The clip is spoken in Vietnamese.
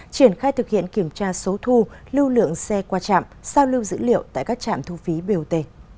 triển khai thực hiện kiểm tra số thu lưu lượng xe qua trạm sao lưu dữ liệu tại các trạm thu phí bot